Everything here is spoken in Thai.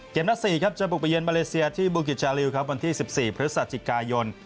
นัด๔ครับจะบุกไปเยือนมาเลเซียที่บูกิจชาลิวครับวันที่๑๔พฤศจิกายน